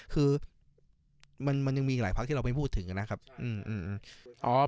คือมันมันยังมีหลายพักที่เราไม่พูดถึงกันนะครับอืมอืมอืม